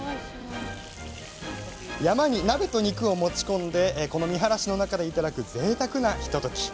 山に鍋と肉を持ち込んでこの見晴らしの中でいただくぜいたくなひととき。